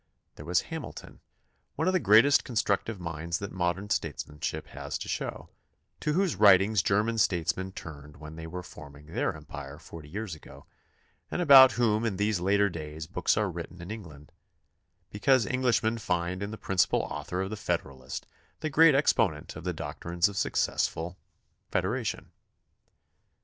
There was Hamilton, one of the greatest constructive minds that modern statesmanship has to show, to whose writings German statesmen turned when they were forming then empire forty years ago and about whom in these later days books are written in England, because Eng lishmen find in the principal author of the Federalist 42 THE CONSTITUTION AND ITS MAKERS the great exponent of the doctrines of successful federation.